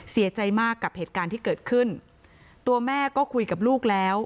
เสียใจมากกับเหตุการณ์ที่เกิดขึ้นตัวแม่ก็คุยกับลูกแล้ว